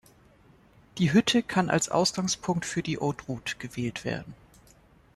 Die Hütte kann als Ausgangspunkt für die Haute Route gewählt werden.